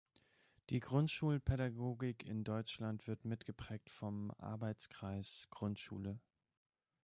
Die Grundschulpädagogik in Deutschland wird mitgeprägt vom „Arbeitskreis Grundschule.